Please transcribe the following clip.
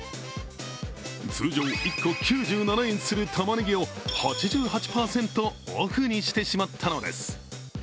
通常１個９７円するタマネギを８８％オフにしてしまったのです。